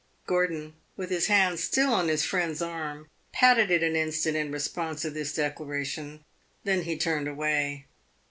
Gordon, with his hand still on his friend's arm, patted it an instant in response to this declaration; then he turned away.